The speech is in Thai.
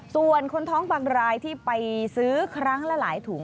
ส่วนคนท้องบางรายที่ไปซื้อครั้งละหลายถุง